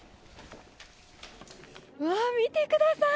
うわー、見てください。